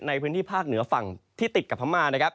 ในพื้นที่ภาคเหนือฝั่งที่ติดกับธรรมมาศาสนิท